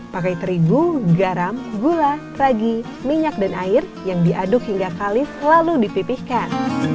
pakai terigu garam gula ragi minyak dan air yang diaduk hingga kalis lalu dipipihkan